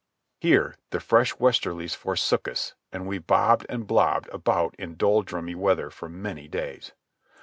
Here the fresh westerlies forsook us and we bobbed and blobbed about in doldrummy weather for many days.